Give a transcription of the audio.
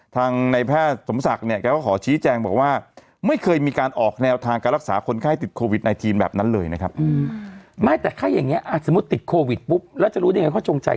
ทางในแพทย์สมศักดิ์เนี่ยเขาก็ขอชี้แจงบอกว่า